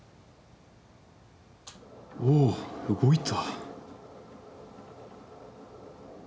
おおっ動いた。